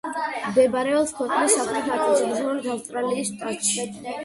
მდებარეობს ქვეყნის სამხრეთ ნაწილში, დასავლეთი ავსტრალიის შტატში.